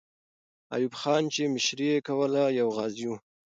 ایوب خان چې مشري یې کوله، یو غازی وو.